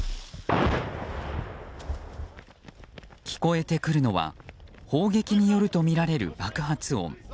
聞こえてくるのは砲撃によるとみられる爆発音。